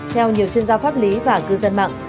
theo nhiều chuyên gia pháp lý và cư dân mạng